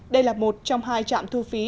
đây là một trong hai trạm thu phí